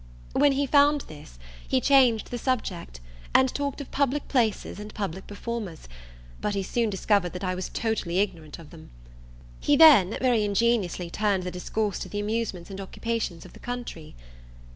When he found this, he changed the subject, and talked of public places, and public performers; but he soon discovered that I was totally ignorant of them. He then, very ingeniously, turned the discourse to the amusements and occupations of the country.